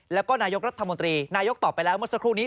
แล้วก็นายกรัฐมนตรีนายกตอบไปแล้วเมื่อสักครู่นี้